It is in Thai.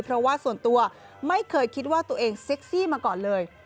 เพราะว่าส่วนตัวไม่เคยคิดว่าตัวเองเซ็กซี่มาก่อนเลย